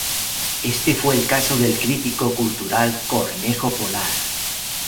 Este fue el caso del crítico cultural Cornejo Polar.